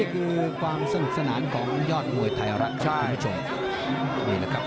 นี่คือความสลึกสนานของยอดมวยไทยรัฐครับคุณผู้ชม